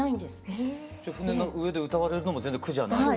船の上で歌われるのも全然苦じゃない？